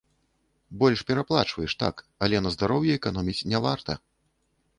Больш пераплачваеш, так, але на здароўі эканоміць не варта.